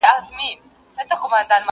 دېو که شیطان یې خو ښکرور یې.!